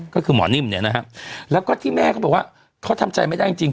ก็คือหมอนิ่มเนี่ยนะฮะแล้วก็ที่แม่เขาบอกว่าเขาทำใจไม่ได้จริงจริง